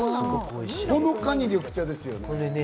ほのかに緑茶ですね。